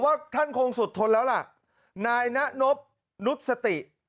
ว่าท่านคงสุดทนแล้วล่ะนายนะนบนุษสติ